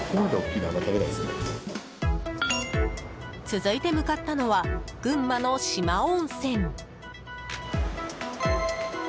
続いて、向かったのは群馬の四万温泉。